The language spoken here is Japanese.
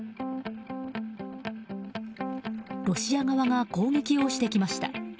ロシア側が攻撃をしてきました。